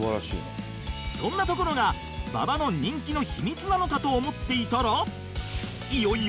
そんなところが馬場の人気の秘密なのかと思っていたら